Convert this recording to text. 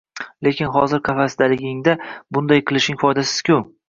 — Lekin hozir qafasdaligingda bunday qilishing foydasiz-ku